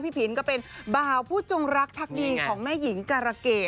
ผินก็เป็นบ่าวผู้จงรักพักดีของแม่หญิงการะเกด